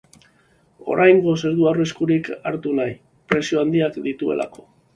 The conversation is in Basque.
Oraingoz, ez du arriskurik hartu nahi, presio handiak dituelako.